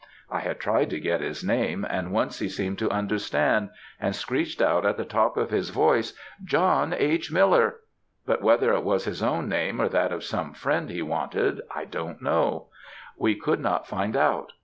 I had tried to get his name, and once he seemed to understand, and screeched out at the top of his voice, 'John H. Miller,' but whether it was his own name or that of some friend he wanted, I don't know; we could not find out.